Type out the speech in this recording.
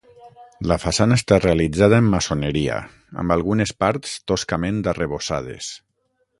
La façana està realitzada en maçoneria, amb algunes parts toscament arrebossades.